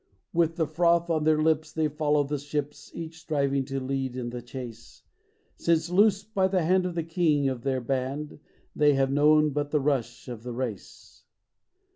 With the froth on their lips they follow the ships, Each striving to lead in the chase ; Since loosed by the hand of the King of their band They have known but the rush of the race.